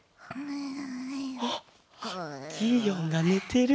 あっギーオンがねてる！